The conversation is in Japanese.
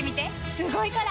すごいから！